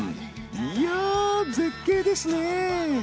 いや絶景ですねえ。